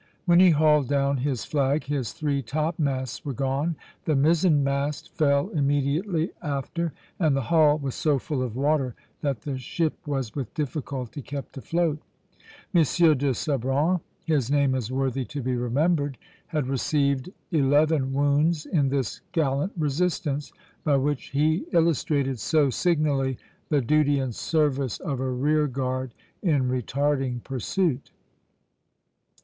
When he hauled down his flag, his three topmasts were gone, the mizzen mast fell immediately after, and the hull was so full of water that the ship was with difficulty kept afloat. M. de Sabran his name is worthy to be remembered had received eleven wounds in this gallant resistance, by which he illustrated so signally the duty and service of a rearguard in retarding pursuit.